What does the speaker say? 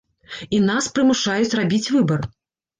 І нас прымушаюць рабіць выбар.